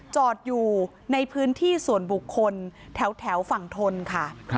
จอดอยู่ในพื้นที่ส่วนบุคคลแถวฝั่งทนค่ะ